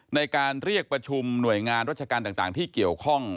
ในการเรียกประชุมหน่วยงานราชการต่างที่เกี่ยวข้อง